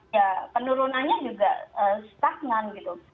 ya penurunannya juga stagnan gitu